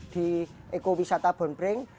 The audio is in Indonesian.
di ekowisata bonpreng